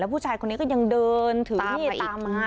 ผู้ชายคนนี้ก็ยังเดินถือมีดตามมา